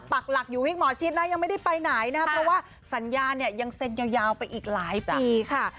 ปักหลักอยู่วิกหมอชิดนะยังไม่ได้ไปไหนนะครับเพราะว่าสัญญาเนี่ยยังเซ็นยาวไปอีกหลายปีค่ะ